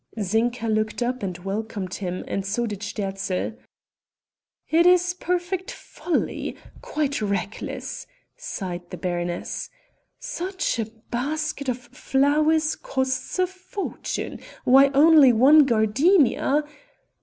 Zinka looked up and welcomed him and so did Sterzl. "It is perfect folly ... quite reckless...." sighed the baroness, "such a basket of flowers costs a fortune. Why, only one gardenia...."